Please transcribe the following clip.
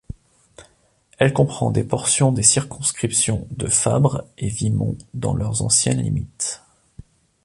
Elle comprend des portions des circonscriptions de Fabre et Vimont dans leurs anciennes limites.